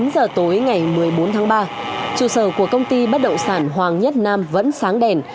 tám giờ tối ngày một mươi bốn tháng ba chủ sở của công ty bất động sản hoàng nhất nam vẫn sáng đèn